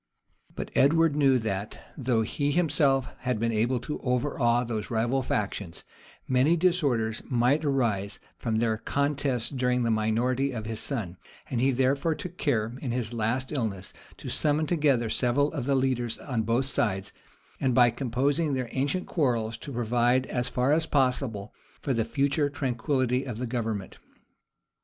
But Edward knew that, though he himself had been able to overawe those rival factions, many disorders might arise from their contests during the minority of his son; and he therefore took care, in his last illness, to summon together several of the leaders on both sides, and by composing their ancient quarrels, to provide, as far as possible, for the future tranquillity of the government.